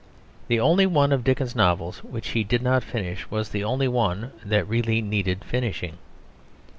The only one of Dickens's novels which he did not finish was the only one that really needed finishing.